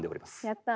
やった！